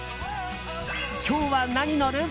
今日はなに乗る？